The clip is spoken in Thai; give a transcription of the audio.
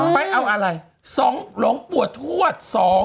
ไปเอาอะไรหลวงปู่ถวช๒๔๙๗